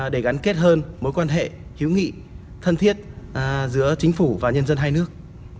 để gắn kết hơn mối quan hệ hữu nghị thân thiết giữa chính phủ và nhân dân hai nước